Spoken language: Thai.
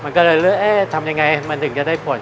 มันก็เลยเลือกเอ๊ะทำยังไงมันถึงจะได้ผล